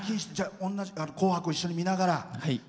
「紅白」を一緒に見ながら。